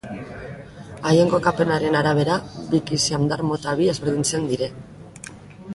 Haien kokapenaren arabera biki siamdar mota bi ezberdintzen dira.